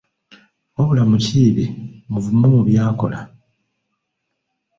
Wabula Mukiibi muvumu mu by’akola!